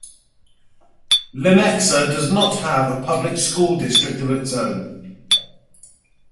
Lenexa does not have a public school district of its own.